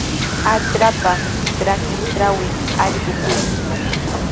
Hatrapa trakintrawmi allqu puñuykan.